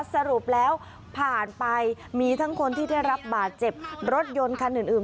สรุปแล้วผ่านไปมีทั้งคนที่ได้รับบาดเจ็บรถยนต์คันอื่น